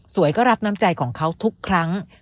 ก็รับน้ำใจของเขาทุกครั้ง